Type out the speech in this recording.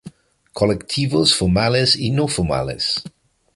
Colectivos formales y no formales.